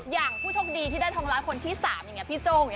อย่างผู้โชคดีที่ได้ทองร้ายคนที่๓อย่างนี้พี่โจ้ง